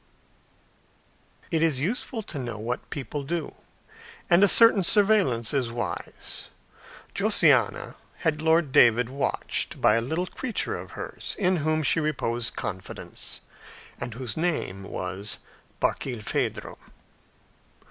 It is useful to know what people do, and a certain surveillance is wise. Josiana had Lord David watched by a little creature of hers, in whom she reposed confidence, and whose name was Barkilphedro.